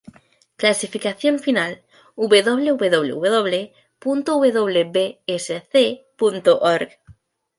Clasificación Final www.wbsc.org